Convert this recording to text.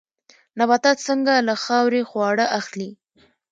نباتات څنګه له خاورې خواړه اخلي؟